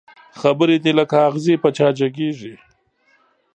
خبري دي لکه اغزي په چا جګېږي